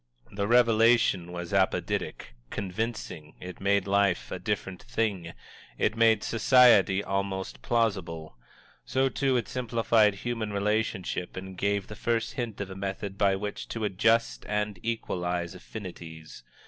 The revelation was apodictic, convincing; it made life a different thing; it made society almost plausible. So, too, it simplified human relationship and gave the first hint of a method by which to adjust and equalize affinities.